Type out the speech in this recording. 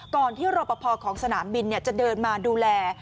ก่อนที่รบประพอของสนานบินจะเดินมาดูแล